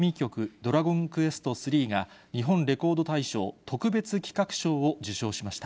ドラゴンクエスト３が、日本レコード大賞特別企画賞を受賞しました。